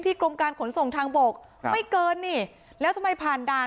กรมการขนส่งทางบกไม่เกินนี่แล้วทำไมผ่านด่าน